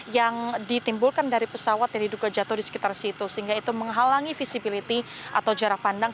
yang ditimbulkan dari pesawat yang diduga jatuh di sekitar situ sehingga itu menghalangi visibility atau jarak pandang